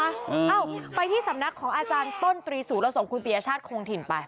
เอ้าไปที่สำนักของอาจารย์ต้นตรีสู่ละสมคุณพิญญาชาชงค์คนถิ่นไป